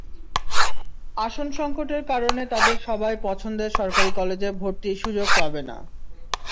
আসন সংকটের কারণে তাদের সবাই পছন্দের সরকারি কলেজে ভর্তির সুযোগ পাবে না।